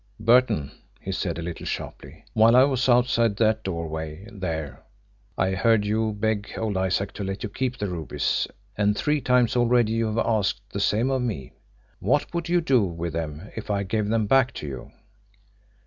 "Burton," he said a little sharply, "while I was outside that doorway there, I heard you beg old Isaac to let you keep the rubies, and three times already you have asked the same of me. What would you do with them if I gave them back to you?"